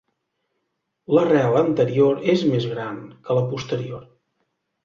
L'arrel anterior és més gran que la posterior.